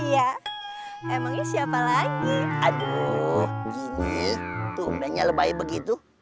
iya emangnya siapa lagi aduh gini tuh banyak lebih begitu